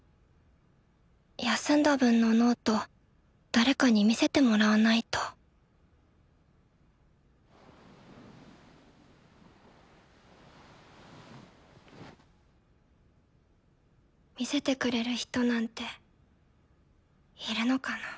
休んだ分のノート誰かに見せてもらわないと見せてくれる人なんているのかな？